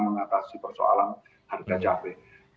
mengatasi persoalan harga cabai